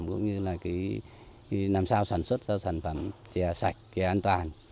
cũng như là làm sao sản xuất sản phẩm trè sạch trè an toàn